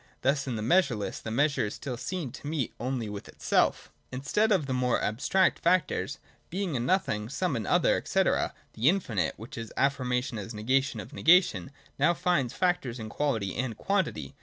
Thus in the measureless the measure is still seen to meet only with itself. 111.] Instead of the more abstract factors. Being and Nothing, some and other, &c., the Infinite, which is affirmation as a negation of negation, now finds its factors in quality and quantity.